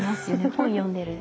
本読んでる。